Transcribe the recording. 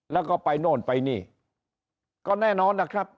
แล้วก็ไปโน่นไปนี่ก็แน่นอนนะครับ